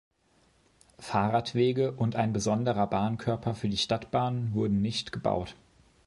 Fahrradwege und ein besonderer Bahnkörper für die Stadtbahn wurden nicht gebaut.